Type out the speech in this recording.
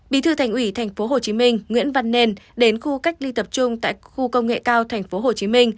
bí thư thành ủy tp hcm nguyễn văn nền đến khu cách ly tập trung tại khu công nghệ cao tp hcm